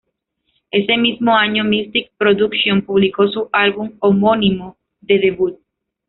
Ese mismo año Mystic Production publicó su álbum homónimo de debut.